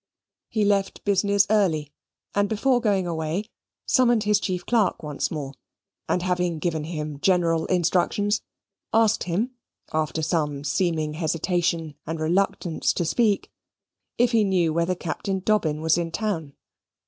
He left business early; and before going away, summoned his chief clerk once more, and having given him general instructions, asked him, after some seeming hesitation and reluctance to speak, if he knew whether Captain Dobbin was in town?